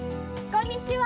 こんにちは。